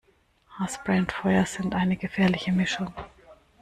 Haarspray und Feuer sind eine gefährliche Mischung